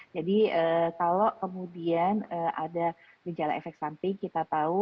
jadi kalau kemudian ada ginjal efek samping kita tahu